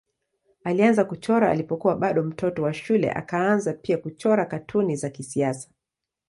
Alianza kuchora alipokuwa bado mtoto wa shule akaanza pia kuchora katuni za kisiasa.